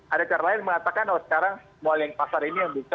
ada cara lain mengatakan oh sekarang mall yang pasar ini yang bisa